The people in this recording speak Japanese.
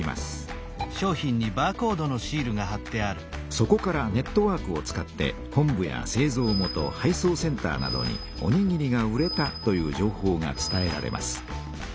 そこからネットワークを使って本部やせいぞう元配送センターなどに「おにぎりが売れた」という情報が伝えられます。